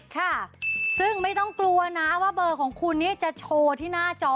ค่ะซึ่งไม่ต้องกลัวนะว่าเบอร์ของคุณเนี่ยจะโชว์ที่หน้าจอ